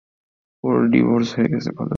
ওর divorce হয়ে গেছে।